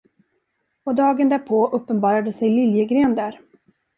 Och dagen därpå uppenbarade sig Liljegren där.